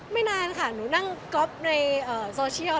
ไม่นานค่ะหนูนั่งก็อเนอะโซเชียล